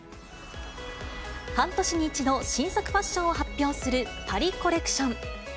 半年に一度、新作ファッションを発表するパリコレクション。